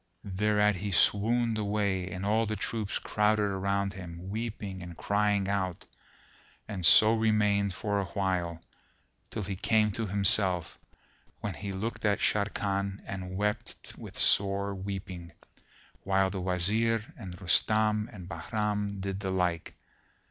Thereat he swooned away and all the troops crowded around him, weeping and crying out, and so remained for a while, till he came to himself, when he looked at Sharrkan and wept with sore weeping, while the Wazir and Rustam and Bahram did the like.